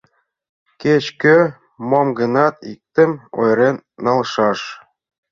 — Кеч-кӧ мом-гынат иктым ойырен налшаш.